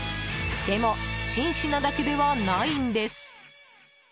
でも、紳士なだけではないんです。